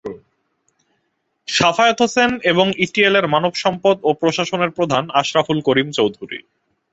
সাফায়েত হোসেন এবং ইএটিএলের মানবসম্পদ ও প্রশাসনের প্রধান আশরাফুল করিম চৌধুরী।